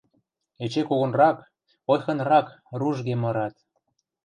Эче когонрак, ойхынрак ружге мырат: